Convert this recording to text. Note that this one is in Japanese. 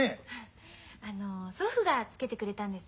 あの祖父が付けてくれたんです。